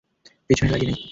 পিছনে লাগি নাই।